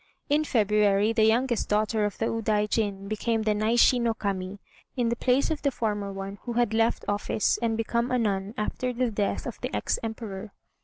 In February the youngest daughter of the Udaijin became the Naishi no Kami, in the place of the former one, who had left office and become a nun after the death of the ex Emperor.